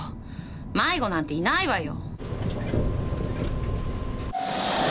迷子なんていないわよ。